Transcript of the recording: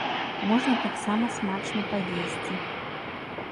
Можна таксама смачна паесці.